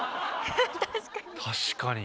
確かに。